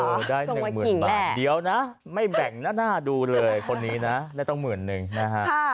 ส่งมาขิงแหละเดี๋ยวนะไม่แบ่งนะน่าดูเลยคนนี้นะได้ต้องหมื่นหนึ่งนะฮะ